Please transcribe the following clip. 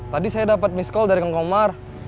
tadi saya dapet miss call dari kang komar